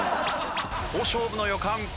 好勝負の予感。